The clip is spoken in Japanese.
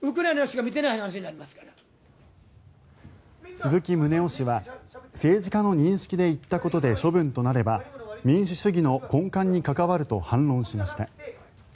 鈴木宗男氏は政治家の認識で言ったことで処分となれば民主主義の根幹に関わると反論しました。